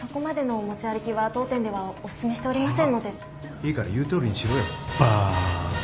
いいから言うとおりにしろよバーカ